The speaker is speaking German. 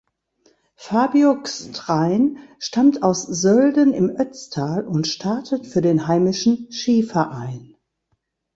Fabio Gstrein stammt aus Sölden im Ötztal und startet für den heimischen Skiverein.